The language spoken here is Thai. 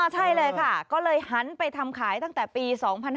ใช่เลยค่ะก็เลยหันไปทำขายตั้งแต่ปี๒๕๕๙